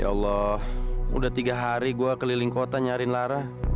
ya allah udah tiga hari gue keliling kota nyarin lara